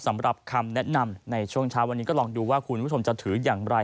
สำหรับคำแนะนำในช่วงเช้าวันนี้ก็ลองดูว่าคุณผู้ชมจะถืออย่างไร